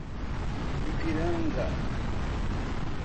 Ipiranga